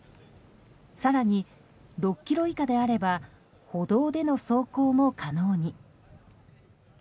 更に、６キロ以下であれば歩道での走行も可能に。